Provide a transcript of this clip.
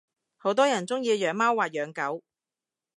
好多人鐘意養貓或養狗